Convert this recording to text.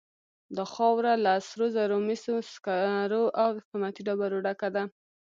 دا خاوره له سرو زرو، مسو، سکرو او قیمتي ډبرو ډکه ده.